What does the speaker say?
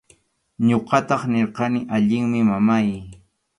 Ñuqataq nirqani: allinmi, mamáy.